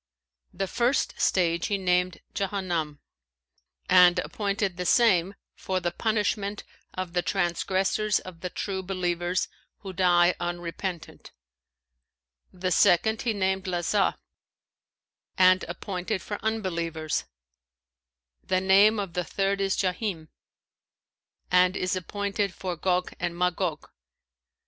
The first stage he named Jahannam[FN#525] and appointed the same for the punishment of the transgressors of the True believers, who die unrepentant; the second he named Lazα and appointed for Unbelievers: the name of the third is Jahνm and is appointed for Gog and Magog.